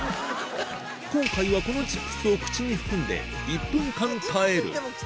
今回はこのチップスを口に含んで１分間耐える